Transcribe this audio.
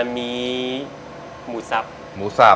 มีหมูสับ